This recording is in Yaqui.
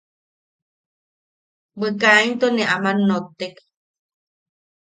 Bwe kainto ne aman nottek...